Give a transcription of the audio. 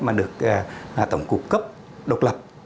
mà được tổng cục cấp độc lập